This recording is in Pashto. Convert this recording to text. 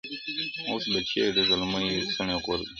اوس به چيري د زلميو څڼي غورځي؛